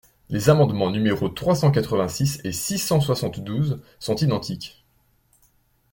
Les amendements numéros trois cent quatre-vingt-six et six cent soixante-douze sont identiques.